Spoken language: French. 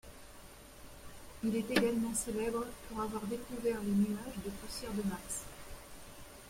Il est également célèbre pour avoir découvert les nuages de poussière de Mars.